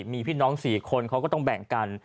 มีพี่น้อง๔คนเขาก็ต้องแบ่งกัน